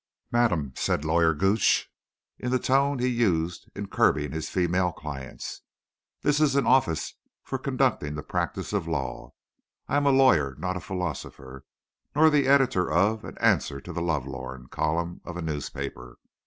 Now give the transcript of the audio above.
"Madam," said Lawyer Gooch, in the tone that he used in curbing his female clients, "this is an office for conducting the practice of law. I am a lawyer, not a philosopher, nor the editor of an 'Answers to the Lovelorn' column of a newspaper.